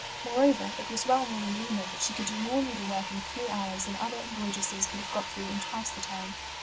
Moreover, it was well known in Lima that she could do more needlework in a few hours than other embroidresses could have got through in twice the time.